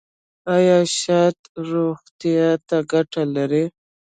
ایا شات روغتیا ته ګټه لري؟